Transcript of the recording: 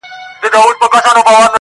د ورځي په رڼا کي ګرځي -